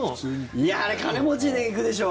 いや、あれ金持ちで行くでしょ。